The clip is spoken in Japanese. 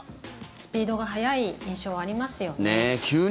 スピードが速い印象ありますよね。